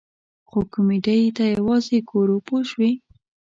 خو کمیډۍ ته یوازې ګورو پوه شوې!.